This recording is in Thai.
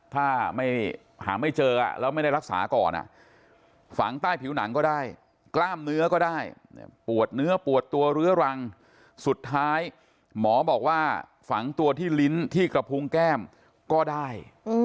ถ้าหาไม่เจอแล้วไม่ได้รักษาก่อนฝังใต้ผิวหนังก็ได้กล้ามเนื้อก็ได้ปวดเนื้อปวดตัวเรื้อรังสุดท้ายหมอบอกว่าฝังตัวที่ลิ้นที่กระพุงแก้มก็ได้